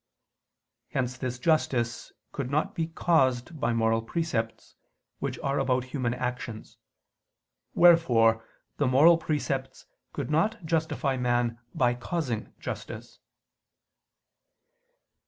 Hence this justice could not be caused by moral precepts, which are about human actions: wherefore the moral precepts could not justify man by causing justice.